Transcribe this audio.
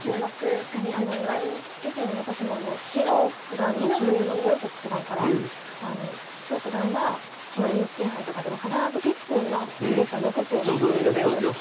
確かに以前私も張九段の親友の蘇耀国九段から「張九段はＮＨＫ杯とかでも必ず１分は考慮時間残すようにしている」という話を聞いたことがあります。